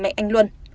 mẹ anh luân